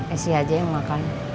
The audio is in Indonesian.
esy aja yang makan